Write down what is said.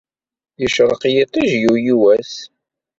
Yecreq yiṭij yuli wass.